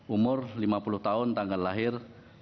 umur lima puluh tahun tanggal lahir